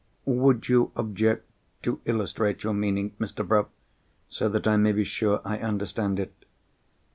"Would you object to illustrate your meaning, Mr. Bruff, so that I may be sure I understand it?